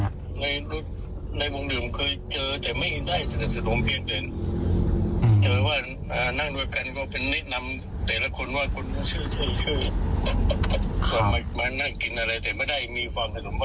ต้องมานั่งกินอะไรแต่ไม่ได้มีความหิวหรือว่ะ